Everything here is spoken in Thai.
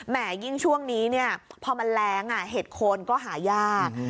ยิ่งช่วงนี้พอมันแรงเห็ดโคนก็หายาก